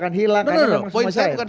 kita akan hilang tidak tidak poin saya bukan